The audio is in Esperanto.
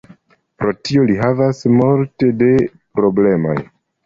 Pro tio li havas multe de problemoj.